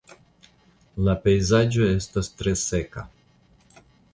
La pejzaĝo estas tre seka.